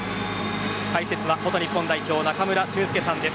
解説は元日本代表中村俊輔さんです。